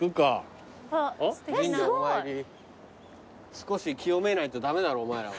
少し清めないと駄目だろお前らは。